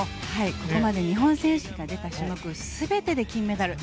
ここまで日本選手が出た種目全てで金メダル。